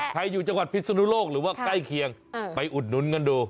อยู่จังหวัดพิศนุโลกหรือว่าใกล้เคียงไปอุดหนุนกันดู